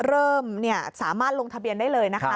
เริ่มสามารถลงทะเบียนได้เลยนะคะ